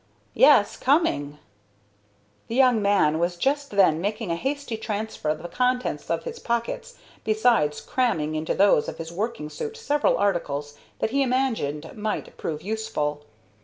"Yes, coming!" The young man was just then making a hasty transfer of the contents of his pockets, besides cramming into those of his working suit several articles that he imagined might prove useful.